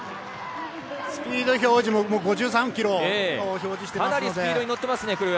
スピード表示も５３キロですので。